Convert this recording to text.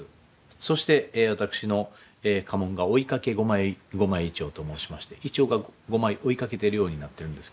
そして私の家紋が「追いかけ五枚銀杏」と申しまして銀杏が五枚追いかけてるようになってるんですけれども。